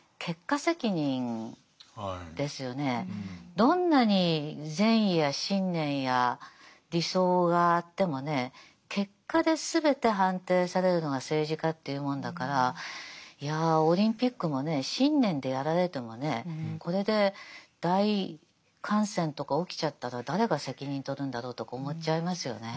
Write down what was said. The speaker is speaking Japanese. どんなに善や信念や理想があってもね結果ですべて判定されるのが政治家というものだからいやオリンピックもね信念でやられてもねこれで大感染とか起きちゃったら誰が責任取るんだろうとか思っちゃいますよね。